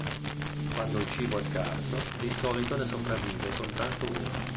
Quando il cibo è scarso, di solito ne sopravvive soltanto uno.